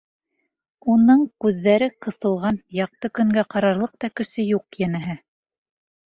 Уның күҙҙәре ҡыҫылған, яҡты көнгә ҡарарлыҡ та көсө юҡ, йәнәһе.